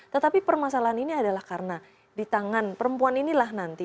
tetapi permasalahan ini adalah karena di tangan perempuan inilah nanti